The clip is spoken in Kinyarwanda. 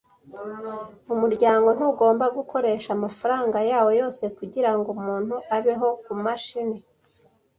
Umuryango ntugomba gukoresha amafaranga yawo yose kugirango umuntu abeho kumashini.